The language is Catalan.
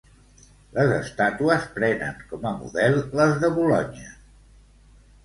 Les estàtues prenen com a model les de Bolonya.